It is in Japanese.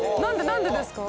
何でですか？